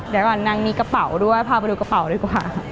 แล้วก็นางมีกระเป๋าด้วยพามาดูกระเป๋าด้วยก่อน